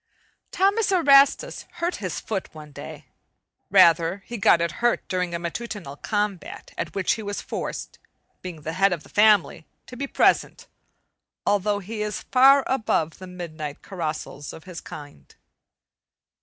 Thomas Erastus hurt his foot one day. Rather he got it hurt during a matutinal combat at which he was forced, being the head of the family, to be present, although he is far above the midnight carousals of his kind.